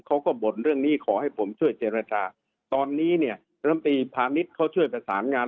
เขาก็บ่นเรื่องนี้ขอให้ผมช่วยเจรจราตอนนี้เนี่ยรัมปีภาณิชย์เขาช่วยผสานงาน